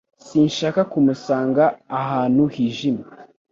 Sinshaka kumusanga ahantu hijimye.